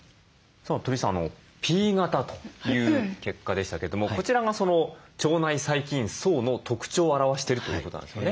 鳥居さんＰ型という結果でしたけれどもこちらがその腸内細菌叢の特徴を表しているということなんですよね。